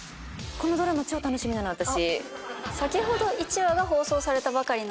このドラマ超楽しみなの私。